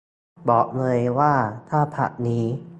บอกเลยว่า ถ้าพรรคนี้